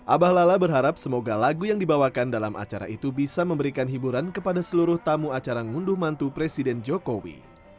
abah lala berharap semoga lagu yang dibawakan dalam acara itu bisa memberikan hiburan kepada seluruh tamu acara ngunduh mantu presiden jokowi